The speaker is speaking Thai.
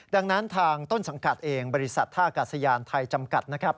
ดังนั้นทางต้นสังกัดเองบริษัทท่ากาศยานไทยจำกัดนะครับ